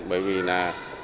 bởi vì là